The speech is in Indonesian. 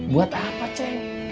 buat apa ceng